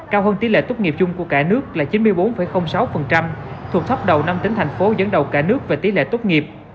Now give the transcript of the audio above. cao hơn tỷ lệ tốt nghiệp chung của cả nước là chín mươi bốn sáu thuộc thắp đầu năm tỉnh thành phố dẫn đầu cả nước về tỷ lệ tốt nghiệp